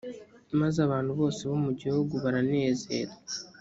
maze abantu bose bo mu gihugu baranezerwa